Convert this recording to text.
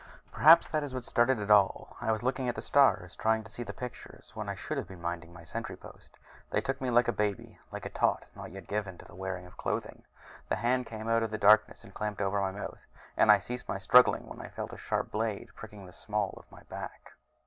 Perhaps that is what started it all. I was looking at the stars, trying to see the pictures, when I should have been minding my sentry post. They took me like a baby, like a tot not yet given to the wearing of clothing. The hand came out of the darkness and clamped over my mouth, and I ceased my struggling when I felt a sharp blade pricking at the small of my back.